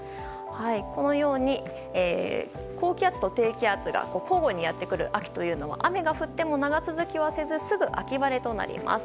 このように低気圧と高気圧が交互にやってくる秋は雨が降っても長続きはせずすぐ秋晴れとなります。